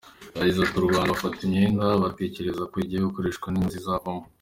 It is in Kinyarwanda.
Yagize ati “Ku Rwanda bafata imyenda batekereza uko igiye gukoreshwa n’inyungu zizavamo.